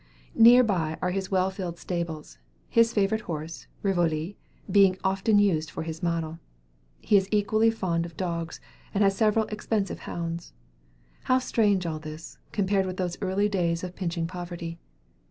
Near by are his well filled stables, his favorite horse, Rivoli, being often used for his model. He is equally fond of dogs, and has several expensive hounds. How strange all this, compared with those early days of pinching poverty!